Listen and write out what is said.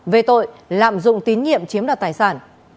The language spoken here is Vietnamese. về tội lạm dụng tín nhiệm chiếm đoạt tài sản